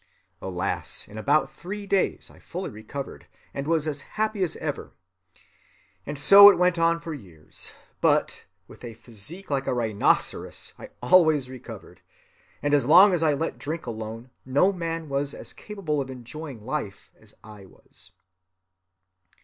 Alas, in about three days I fully recovered, and was as happy as ever. So it went on for years, but, with a physique like a rhinoceros, I always recovered, and as long as I let drink alone, no man was as capable of enjoying life as I was.